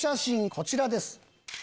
こちらです。